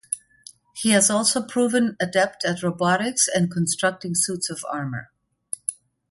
He has also proven adept at robotics and constructing suits of armor.